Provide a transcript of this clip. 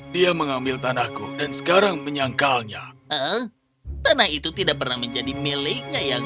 dia mengambil tanahku dan sekarang menyangkalnya tanah itu tidak pernah menjadi miliknya yang